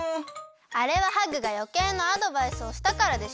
あれはハグがよけいなアドバイスをしたからでしょ！